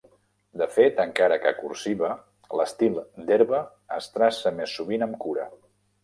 De fet, encara que cursiva, l'estil d'herba es traça més sovint amb cura.